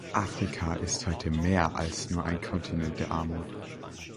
Afrika ist heute mehr als nur ein Kontinent der Armut.